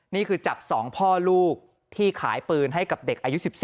นี่คือจับ๒พ่อลูกที่ขายปืนให้กับเด็กอายุ๑๔